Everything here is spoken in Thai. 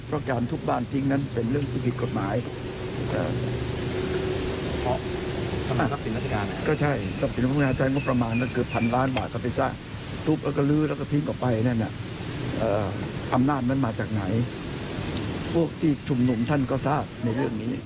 เพราะการทุกบ้านทิ้งนั้นเป็นเรื่องปฏิกิจกฎหมาย